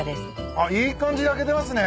あっいい感じに焼けてますね。